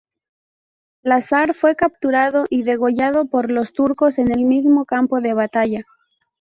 Lazar fue capturado y degollado por los turcos en el mismo campo de batalla.